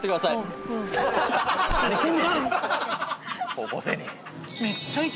高校生に！